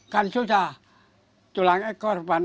kan susah tulang ekor pak nenuk